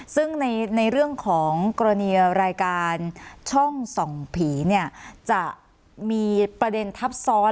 ซึ่งในเรื่องของกรณีรายการช่องส่องผีเนี่ยจะมีประเด็นทับซ้อน